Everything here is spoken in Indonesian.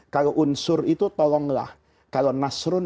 kalau iyan suru menolong sekarang dan di masa yang akan datang